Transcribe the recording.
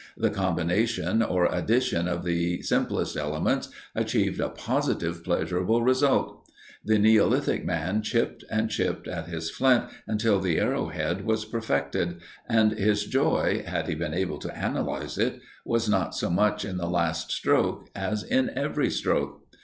The combination or addition of the simplest elements achieved a positive pleasurable result. The neolithic man chipped and chipped at his flint until the arrow head was perfected, and his joy, had he been able to analyze it, was not so much in the last stroke as in every stroke.